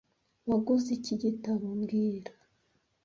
Waguze iki gitabo mbwira